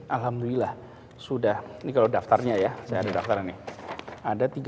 alhamdulillah sudah ini kalau daftarnya ya saya ada daftaran nih